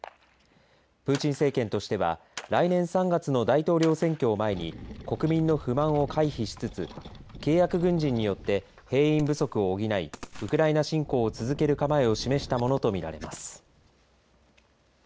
プーチン政権としては来年３月の大統領選挙を前に国民の不満を回避しつつ契約軍人によって兵員不足を補いウクライナ侵攻を続ける構えを示したものと見られます。